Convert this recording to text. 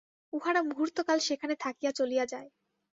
উহারা মুহূর্তকাল সেখানে থাকিয়া চলিয়া যায়।